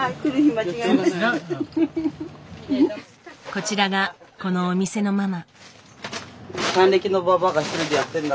こちらがこのお店のママ。